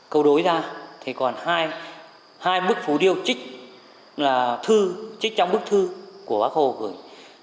tám câu đối ra còn hai bức phủ điêu trích trong bức thư của bác hồ gửi